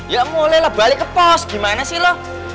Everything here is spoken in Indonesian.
ya boleh lah balik ke pos gimana sih lo